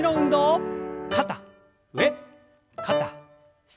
肩上肩下。